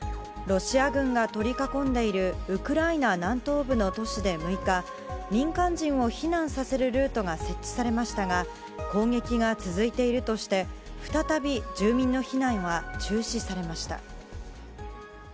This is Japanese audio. ロシア軍が取り囲んでいるウクライナ南東部の都市で６日民間人を避難させるルートが設置されましたが攻撃が続いているとして再び住民の避難は中止されました。